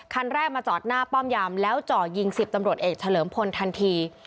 คันแรกมาจอดหน้าป้อมยามแล้วจ่อยิง๑๐ตำรวจเอกเฉลิมพลทันที